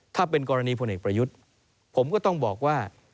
ถ้าเป็นกรณีพลเอกประยุทธ์ผมก็ต้องบอกว่า